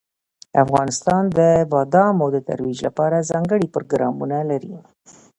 افغانستان د بادامو د ترویج لپاره ځانګړي پروګرامونه لري.